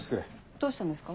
どうしたんですか？